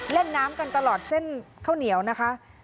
เล่นน้ำกันตลอดเส้นข้าวเหนียวนะคะ